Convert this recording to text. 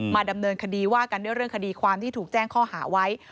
ดำเนินคดีว่ากันด้วยเรื่องคดีความที่ถูกแจ้งข้อหาไว้